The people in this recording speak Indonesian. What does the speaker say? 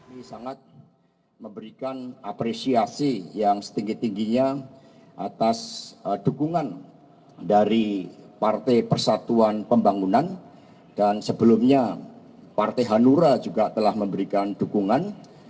kami sangat memberikan apresiasi yang setinggi tingginya atas dukungan dari partai persatuan pembangunan dan sebelumnya partai hanura juga telah memberikan dukungan